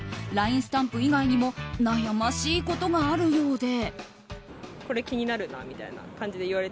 ＬＩＮＥスタンプ以外にも悩ましいことがあるようで。